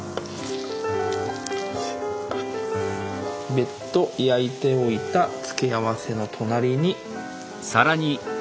別途焼いておいた付け合わせの隣に。